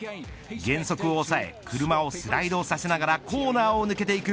減速を抑え車をスライドさせながらコーナーを抜けていく。